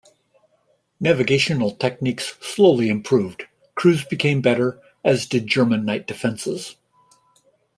Navigational techniques slowly improved, crews became better, as did German night defenses.